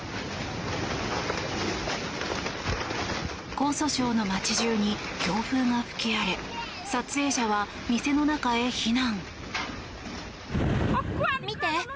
江蘇省の街中に強風が吹き荒れ撮影者は店の中へ避難。